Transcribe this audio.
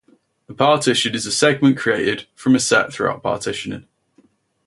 A partition is a segment created from a set through partitioning.